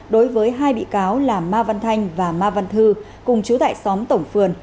đối với hai bị cáo là ma văn thanh và ma văn thư cùng chú tại xóm tổng phường